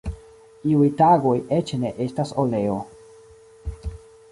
Iuj tagoj eĉ ne estas oleo.